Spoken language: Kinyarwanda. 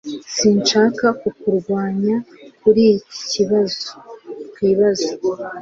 Sinshaka kukurwanya kuriyi ikibazo twibaza